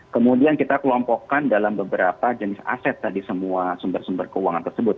kemudian kita kelompokkan dalam beberapa jenis aset tadi semua sumber sumber keuangan tersebut